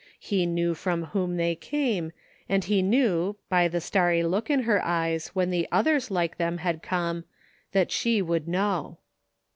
He knew from whom they came, and he knew, by the starry look in her eyes when the others like them had come, that she would know.